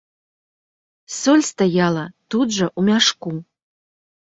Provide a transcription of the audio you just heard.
Соль стаяла тут жа ў мяшку.